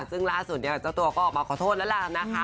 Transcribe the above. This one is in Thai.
ซึ่งล่าสุดเนี่ยเจ้าตัวก็ออกมาขอโทษแล้วล่ะนะคะ